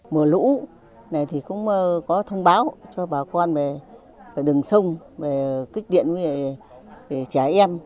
mùa lũ này thì cũng có thông báo cho bà con về đường sông về kích điện với trẻ em